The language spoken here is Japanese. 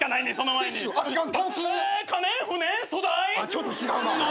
ちょっと違うな。